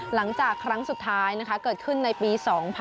หลังจากครั้งสุดท้ายเกิดขึ้นในปี๒๕๖๒